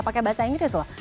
pakai bahasa inggris loh